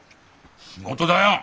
仕事だよっ！